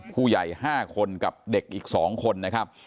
๕คนกับเด็กอีก๒คนนะครับ